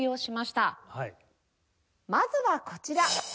まずはこちら。